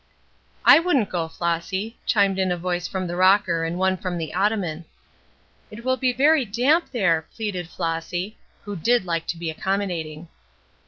"I wouldn't go, Flossy," chimed in a voice from the rocker and one from the ottoman. "It will be very damp there," pleaded Flossy, who did like to be accommodating.